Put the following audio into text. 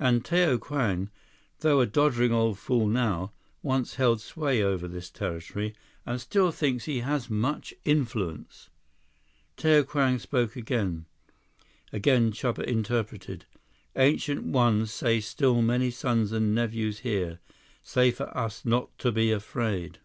And Tao Kwang, though a doddering old fool now, once held sway over this territory, and still thinks he has much influence." Tao Kwang spoke again. Again Chuba interpreted. "Ancient One say still many sons and nephews here. Say for us not to be afraid."